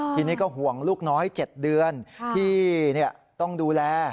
ทีนี้ก็ห่วงลูกน้อย๗เดือนที่ต้องดูแล